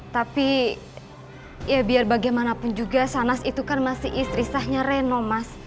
tapi ya biar bagaimanapun juga sanas itu kan masih istri sahnya reno mas